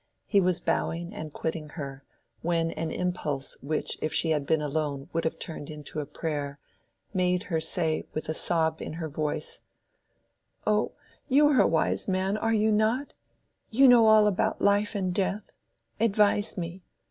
He was bowing and quitting her, when an impulse which if she had been alone would have turned into a prayer, made her say with a sob in her voice— "Oh, you are a wise man, are you not? You know all about life and death. Advise me.